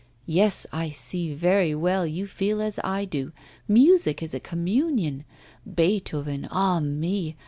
Yes, I see very well, you feel as I do, music is a communion Beethoven, ah, me!